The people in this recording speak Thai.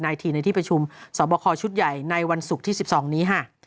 ทีในที่ประชุมสอบคอชุดใหญ่ในวันศุกร์ที่๑๒นี้ค่ะ